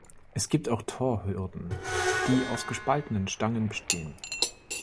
Es gibt auch „Torhürden“, die aus gespaltenen Stangen bestehen.